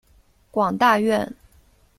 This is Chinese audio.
广大院。